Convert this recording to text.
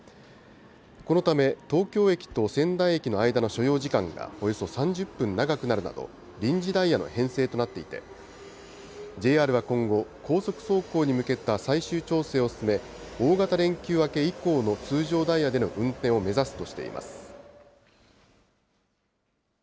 このため、東京駅と仙台駅の間の所要時間がおよそ３０分長くなるなど、臨時ダイヤの編成となっていて、ＪＲは今後、高速走行に向けた最終調整を進め、大型連休明け以降の通常ダイヤでおはＢｉｚ、神子田キャスターです。